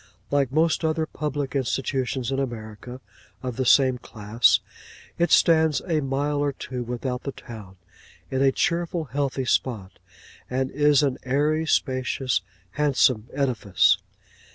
Like most other public institutions in America, of the same class, it stands a mile or two without the town, in a cheerful healthy spot; and is an airy, spacious, handsome edifice.